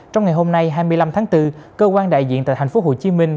trong ngày hôm nay hai mươi năm tháng bốn cơ quan đại diện tại thành phố hồ chí minh